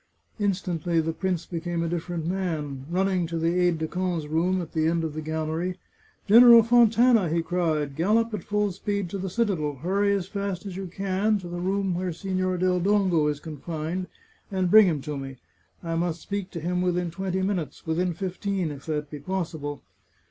Instantly the prince became a different man. Running to the aide de camp's room at the end of the gallery —" General Fontana," he cried, " gallop at full speed to the citadel ; hurry as fast as you can to the room where Signor del Dongo is confined, and bring him to me. I must speak to him within twenty minutes — within fifteen, if that be possible."